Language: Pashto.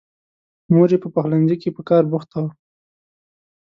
مور یې په پخلنځي کې په کار بوخته وه.